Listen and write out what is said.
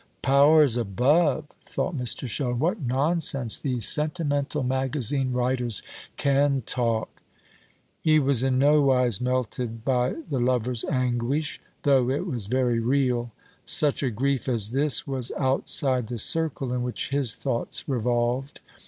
"Powers above!" thought Mr. Sheldon, "what nonsense these sentimental magazine writers can talk!" He was in nowise melted by the lover's anguish, though it was very real. Such a grief as this was outside the circle in which his thoughts revolved.